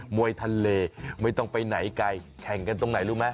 มวยทะเลไม่ต้องไปไหนไกลแข่งกันตรงไหนรู้ไหม